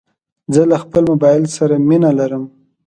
زه له خپل موبایل سره مینه لرم.